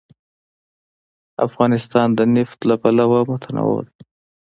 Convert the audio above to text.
افغانستان د نفت له پلوه متنوع دی.